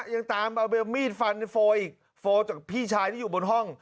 ยังตามเอามีดฟันในโฟอีกโฟลจากพี่ชายที่อยู่บนห้อง